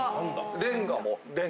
レンガも。